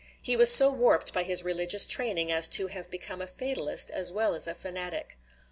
He was so warped by his religious training as to have become a fatalist as well as a fanatic.